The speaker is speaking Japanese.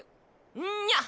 うんにゃ！